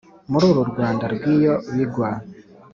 muri uru rwanda rw’iyo bigwa